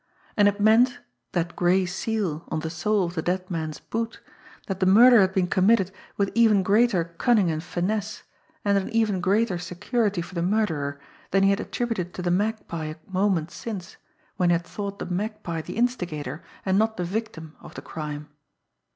And it meant, that gray seal on the sole of the dead man's boot, that the murder had been committed with even greater cunning and finesse, and an even greater security for the murderer, than he had attributed to the Magpie a moment since, when he had thought the Magpie the instigator, and not the victim, of the crime.